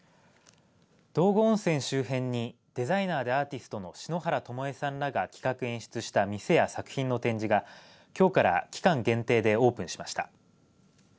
道後温泉周辺にデザイナーでアーティストの篠原ともえさんらが企画・演出した店や作品の展示がきょうから期間限定でオープンしました。